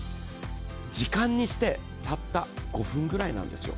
時間にして、たった５分くらいなんですよ。